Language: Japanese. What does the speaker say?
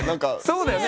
そうだよね。